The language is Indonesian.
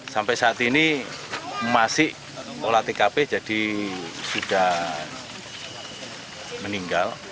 sampai saat ini masih olah tkp jadi sudah meninggal